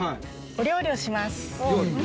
お料理をします。